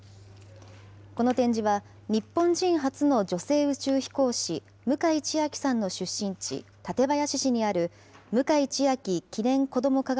この展示は、日本人初の女性宇宙飛行士、向井千秋さんの出身地、館林市にある向井千秋記念子ども